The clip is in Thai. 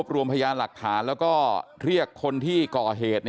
รวมพยานหลักฐานแล้วก็เรียกคนที่ก่อเหตุ